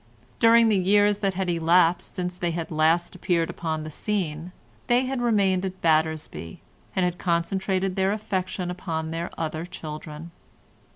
During the years that had elapsed since they last appeared upon the scene they had remained at Battersby, and had concentrated their affection upon their other children.